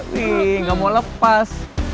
wih gak mau lepas